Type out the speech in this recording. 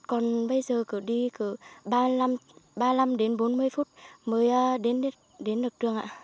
còn bây giờ cứ đi ba mươi năm bốn mươi phút mới đến được trường ạ